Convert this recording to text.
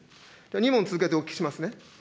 ２問続けてお聞きしますね。